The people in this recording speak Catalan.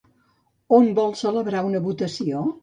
On vol celebrar una votació?